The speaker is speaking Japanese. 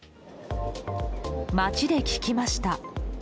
街で聞きました。